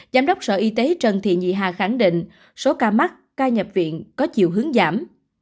giám đốc sở y tế trần thị nhị hà khẳng định số ca mắc ca nhập viện có chiều hướng giảm